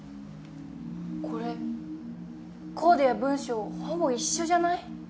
これコーデや文章ほぼ一緒じゃない？